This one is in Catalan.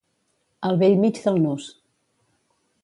Al bell mig del nus.